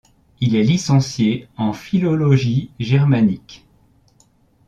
Il est licencié en philologie germanique.